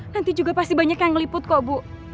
nanti juga pasti banyak yang meliput kok bu